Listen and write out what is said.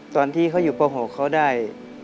ตอนที่เขาอยู่ป๖เขาได้